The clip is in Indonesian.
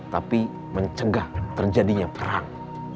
tapi mencegah terjadinya perang